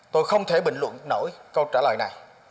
tôi không thể bình luận nổi câu trả lời này